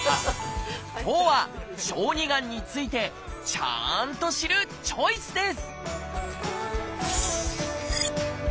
今日は小児がんについてちゃんと知る「チョイス」です